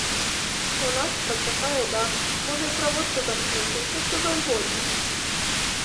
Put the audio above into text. У нас працякае дах, можа і праводку замкнуць і ўсё, што заўгодна.